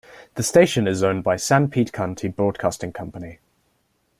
The station is owned by Sanpete County Broadcasting Co..